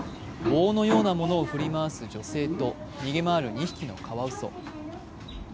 棒のようなものを振り回す女性と逃げ回る２匹のカワウソ。